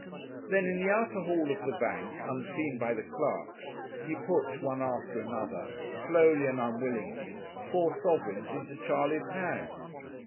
Then in the outer hall of the bank, unseen by the clerks, he put, one after another, slowly and unwillingly, four sovereigns into Charley's hand.